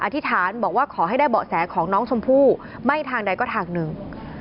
ธิษฐานบอกว่าขอให้ได้เบาะแสของน้องชมพู่ไม่ทางใดก็ทางหนึ่ง